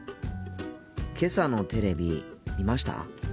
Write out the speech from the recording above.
けさのテレビ見ました？